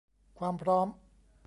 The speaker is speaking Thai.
ความพร้อม